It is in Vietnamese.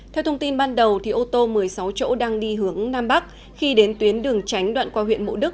theo thông tin ban đầu ô tô một mươi sáu chỗ đang đi hướng nam bắc khi đến tuyến đường tránh đoạn qua huyện mộ đức